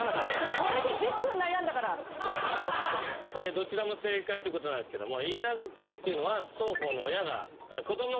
どちらも正解ということなんですけども。